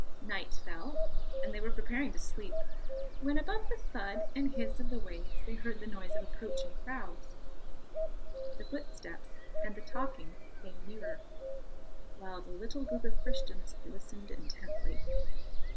Night fell, and they were preparing to sleep, when, above the thud and hiss of the waves they heard the noise of approaching crowds. The footsteps and the talking came nearer, while the little group of Christians listened intently.